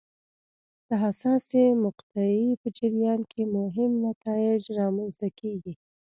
د حساسې مقطعې په جریان کې مهم نتایج رامنځته کېږي.